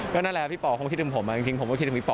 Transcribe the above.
ก็นั่นแหละพี่ป๋อคงคิดถึงผมจริงผมก็คิดถึงพี่ปอ